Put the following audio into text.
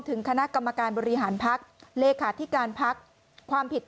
ถึงคณะกรรมการบริหารพักธรรมนุนเลขาที่การพักความผิดตาม